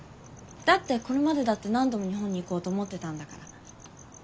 だってこれまでだって何度も日本に行こうと思ってたんだから。